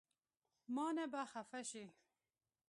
مانه به خفه شې